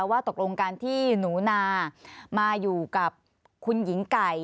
แล้วคุณนายยังจำไม่ได้จบเสียวนี้